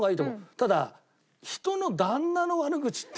ただ人の旦那の悪口って。